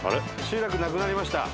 集落なくなりました。